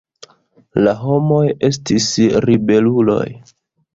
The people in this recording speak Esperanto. La homoj estis ribeluloj.